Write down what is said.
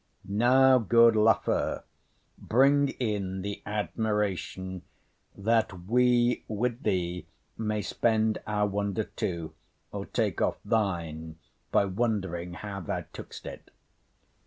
Now, good Lafew, Bring in the admiration; that we with thee May spend our wonder too, or take off thine By wond'ring how thou took'st it.